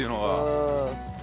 うん。